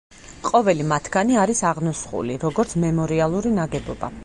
ყოველი მათგანი არის აღნუსხული, როგორც მემორიალური ნაგებობა.